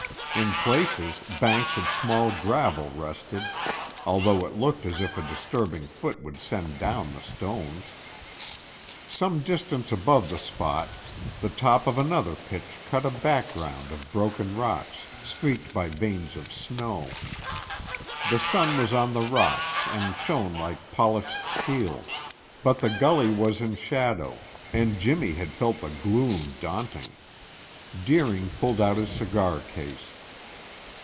In places, banks of small gravel rested, although it looked as if a disturbing foot would send down the stones. Some distance above the spot, the top of another pitch cut a background of broken rocks, streaked by veins of snow. The sun was on the rocks and some shone like polished steel, but the gully was in shadow and Jimmy had felt the gloom daunting. Deering pulled out his cigar case.